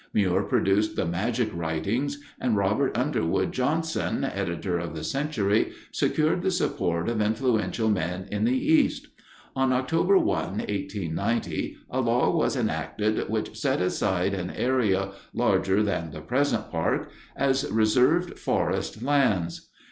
Muir produced the magic writings, and Robert Underwood Johnson, editor of the Century, secured the support of influential men in the East. On October 1, 1890, a law was enacted which set aside an area, larger than the present park, as "reserved forest lands."